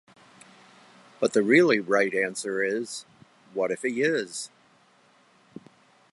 But the really right answer is, what if he is?